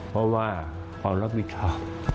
เพราะว่าความรับผิดชอบ